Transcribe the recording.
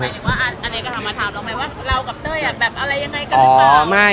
หมายถึงว่าเล็กนิ๊กก็ถามมาถามเราหมายว่าเรากับเต้ยอะแบบอะไรยังไงกันหรือเปล่า